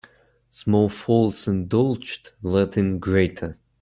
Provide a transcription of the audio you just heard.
Small faults indulged let in greater.